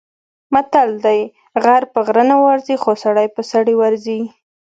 متل دی: غر په غره نه ورځي، خو سړی په سړي ورځي.